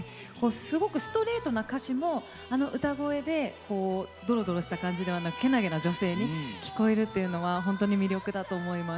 すごくストレートな歌詞もあの歌声でどろどろした感じではなくけなげな女性に聞こえるというのは本当に魅力だと思います。